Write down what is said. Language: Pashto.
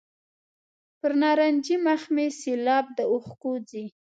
پر نارنجي مخ مې سېلاب د اوښکو ځي.